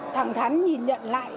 thẳng thắn nhìn nhận lại